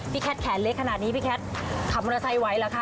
แคทแขนเล็กขนาดนี้พี่แคทขับมอเตอร์ไซค์ไว้แล้วค่ะ